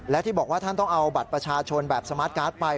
และที่บอกว่าท่านต้องเอาบัตรประชาชนแบบสมาร์ทการ์ดไป